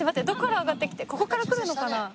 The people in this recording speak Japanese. どこから上がってきてここから来るのかな？